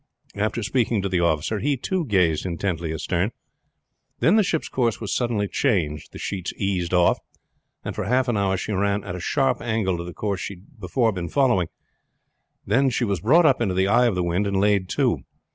After speaking to the officer he too gazed intently astern. Then the ship's course was suddenly changed, the sheets eased off, and for half an hour she ran at a sharp angle to the course she had before been following, then she was brought up into the eye of the wind and laid to.